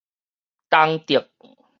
東竹